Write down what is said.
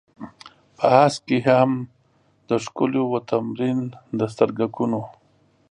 په هسک کې هم د ښکليو و تمرين د سترگکونو.